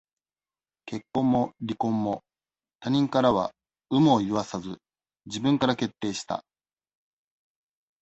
結婚も離婚も、他人からは、有無を言わさず、自分から決定した。